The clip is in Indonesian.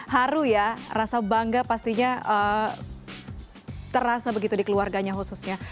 haru ya rasa bangga pastinya terasa begitu di keluarganya khususnya